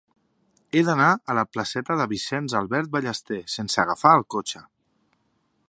He d'anar a la placeta de Vicenç Albert Ballester sense agafar el cotxe.